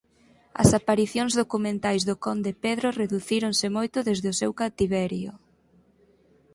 As aparicións documentais do conde Pedro reducíronse moito desde o seu cativerio.